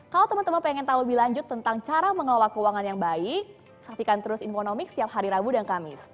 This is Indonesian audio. kalau teman teman pengen tahu lebih lanjut tentang cara mengelola keuangan yang baik saksikan terus infonomik setiap hari rabu dan kamis